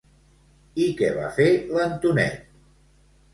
I què va fer l'Antonet?